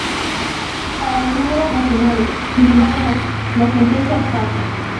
Para los números racionales, sin embargo, la sentencia es falsa.